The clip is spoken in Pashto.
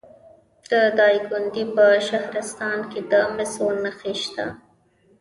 د دایکنډي په شهرستان کې د مسو نښې شته.